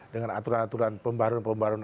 dengan aturan aturan pembaruan pembaruan